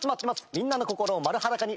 みんなの心を丸裸に。